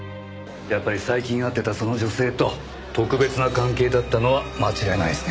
やっぱり最近会ってたその女性と特別な関係だったのは間違いないですね。